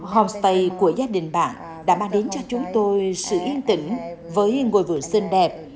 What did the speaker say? homestay của gia đình bạn đã mang đến cho chúng tôi sự yên tĩnh với ngôi vườn xinh đẹp